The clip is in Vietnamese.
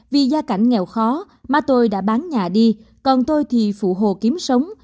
vì gia cảnh nghèo khó mà tôi đã bán nhà đi còn tôi thì phụ hồ kiếm sống